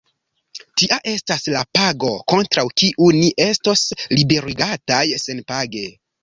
Tia estas la pago, kontraŭ kiu ni estos liberigataj senpage!